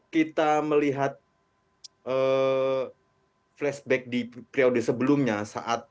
kita melihat flashback di periode sebelumnya